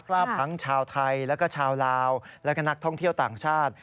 คราบทั้งชาวไทยและชาวลาวและกนักท่องเที่ยวต่างชาติ